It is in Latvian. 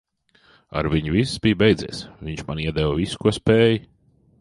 Ar viņu viss bija beidzies. Viņš man iedeva visu, ko spēja.